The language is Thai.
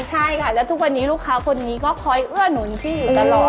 ใช่ค่ะแล้วทุกวันนี้ลูกค้าคนนี้ก็คอยเอื้อหนุนพี่อยู่ตลอด